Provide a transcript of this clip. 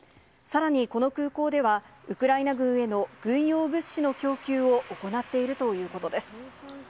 さらに、この空港では、ウクライナ軍への軍用物資の供給を行っているということです。